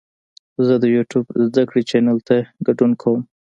زه د یوټیوب زده کړې چینل ته ګډون کوم.